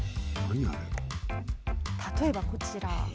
例えば、こちら。